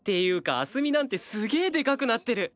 明日海なんてすげえでかくなってる！